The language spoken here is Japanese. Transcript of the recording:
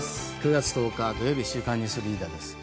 ９月１０日、土曜日「週刊ニュースリーダー」です。